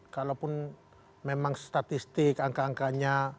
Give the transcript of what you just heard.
kalaupun memang statistik angka angkanya